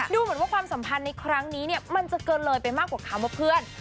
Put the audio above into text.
ดูเหมือนว่าความสัมพันธ์ในครั้งนี้เนี่ยมันจะเกินเลยไปมากกว่าคำว่าเพื่อน